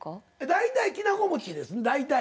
大体きな粉餅ですね大体。